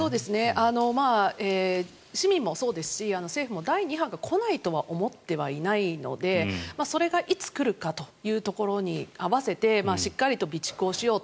市民もそうですし政府も第２波が来ないとは思ってはいないのでそれがいつ来るかというところに合わせてしっかりと備蓄をしようと。